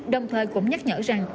đồng thời cũng nhắc nhở rằng